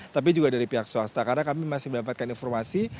tapi juga dari pihak swasta karena kami masih mendapatkan informasi